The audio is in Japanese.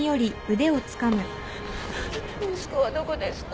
息子はどこですか？